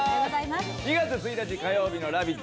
４月１日の「ラヴィット！」